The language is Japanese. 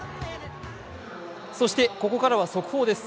そしてここからは速報です。